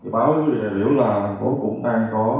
báo với đại biểu là thành phố cũng đang có